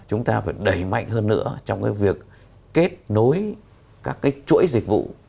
chúng ta phải đẩy mạnh hơn nữa trong cái việc kết nối các cái chuỗi dịch vụ